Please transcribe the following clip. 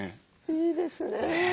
いいですね。